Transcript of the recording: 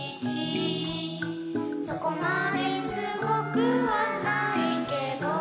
「そこまですごくはないけど」